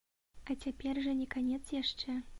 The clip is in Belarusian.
А цяпер жа не канец яшчэ.